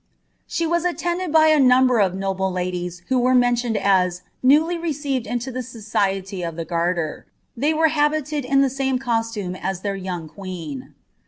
She was attended by a number of noble lailics, who are mentioned " as newly received into the Society of iJie Garter." They were habited in the same costume as iheir young queen.'